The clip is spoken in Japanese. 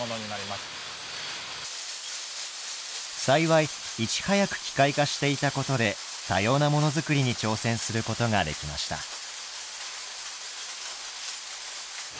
幸いいち早く機械化していたことで多様なモノ作りに挑戦することができました。